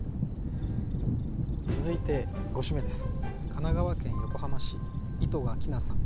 続いて５首目です。